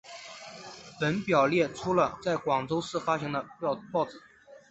本表列出了在广州市发行的报纸。